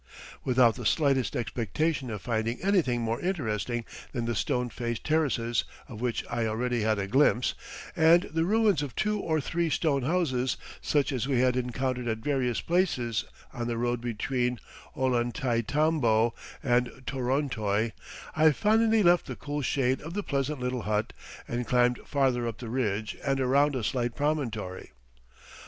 Without the slightest expectation of finding anything more interesting than the stone faced terraces of which I already had a glimpse, and the ruins of two or three stone houses such as we had encountered at various places on the road between Ollantaytambo and Torontoy, I finally left the cool shade of the pleasant little hut and climbed farther up the ridge and around a slight promontory.